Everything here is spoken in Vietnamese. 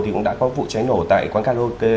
thì cũng đã có vụ cháy nổ tại quán karaoke